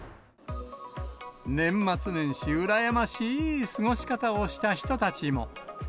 年末年始、羨ましーい過ごし方をした人たちも。